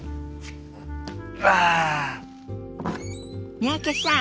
三宅さん